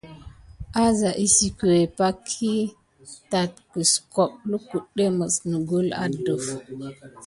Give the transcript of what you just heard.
Ása ésəkué pay kin tate kiskobe lukudé mis nikule aɗef.